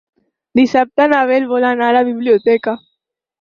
Dissabte na Beth vol anar a la biblioteca.